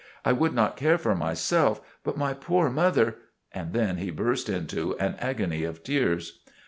I would not care for myself, but my poor mother " and then he burst into an agony of tears.